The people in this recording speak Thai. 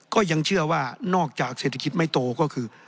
ก็ยังเชื่อว่านอกจากเศรษฐกิจไม่โตก็คือ